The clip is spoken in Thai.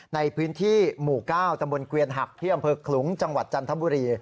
ในพื้นที่หมู่๙ตำบลเกวียนหักที่อำเภอขลุงจังหวัดจันทบุรี